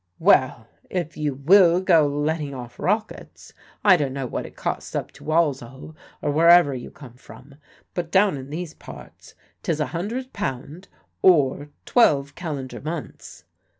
_" "Well, if you will go letting off rockets. I dunno what it costs up to Walsall, or wherever you come from, but down in these parts 'tis a hundred pound or twelve calendar months."